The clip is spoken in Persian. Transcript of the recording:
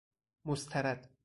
مسترد